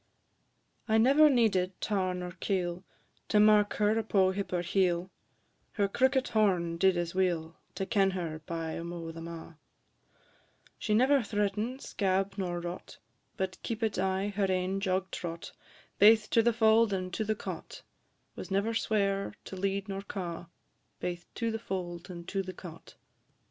II. I never needed tar nor keil To mark her upo' hip or heel, Her crookit horn did as weel To ken her by amo' them a'; She never threaten'd scab nor rot, But keepit aye her ain jog trot, Baith to the fauld and to the cot, Was never sweir to lead nor caw; Baith to the fauld and to the cot, &c.